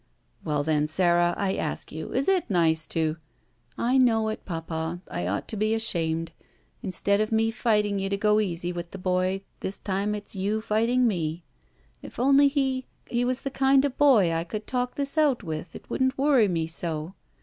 "Well then, Sara, I ask you, is it nice to—" *'I know it, Papa. I ought to be ashamed. In stead of me fighting you to go easy with the boy, this time it's you fighting me. If only he — ^he was the kind of boy I could talk this out with, it wouldn't worry me so.